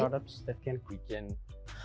tôi muốn tìm kiếm một kế hoạch